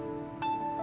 sami anda mau